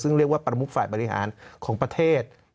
ซึ่งเรียกว่าประมุขฝ่ายบริหารของประเทศ